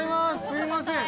すいません！